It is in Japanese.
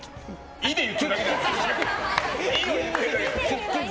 いで言ってるだけじゃん。